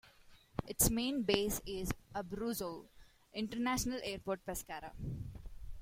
Its main base is Abruzzo International Airport, Pescara.